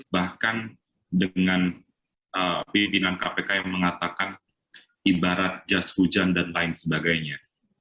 bahkan dengan pimpinan kpk yang mengatakan ibarat jas hujan dan lain sebagainya